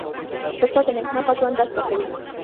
استاد د نېکمرغه ژوند درس ورکوي.